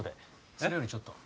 それよりちょっと。